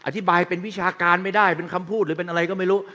อธิบายเป็นวิชาการไม่ได้เป็นคำพูดหรือเป็นอะไรก็ไม่รู้